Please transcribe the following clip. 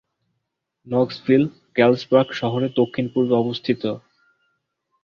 Knoxville গ্যালসবার্গ শহরের দক্ষিণ-পূর্বে অবস্থিত।